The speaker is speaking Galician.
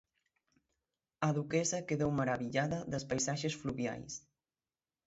A duquesa quedou marabillada das paisaxes fluviais.